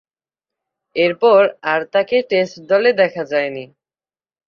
এরপর, আর তাকে টেস্ট দলে রাখা হয়নি।